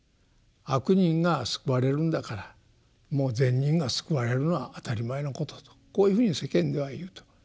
悪人が救われるんだからもう善人が救われるのは当たり前のこととこういうふうに世間では言うと。